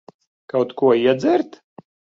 Kaut ko iedzert?